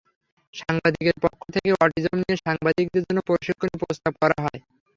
সাংবাদিকদের পক্ষ থেকে অটিজম নিয়ে সাংবাদিকদের জন্য প্রশিক্ষণের প্রস্তাব করা হয়।